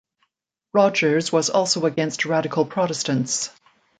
Rogers was also against radical Protestants.